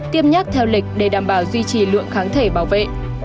tiêm nhắc theo lịch để đảm bảo duy trì lượng kháng thể bảo vệ